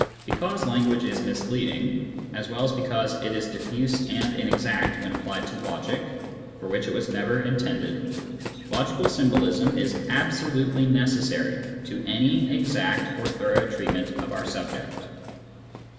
Because language is misleading, as well as because it is diffuse and inexact when applied to logic (for which it was never intended), logical symbolism is absolutely necessary to any exact or thorough treatment of our subject.